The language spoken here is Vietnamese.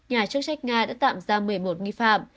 nhà chức trách nga đã tạm ra một mươi một nghi phạm